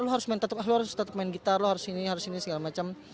lu harus tetap main gitar lu harus ini harus ini segala macam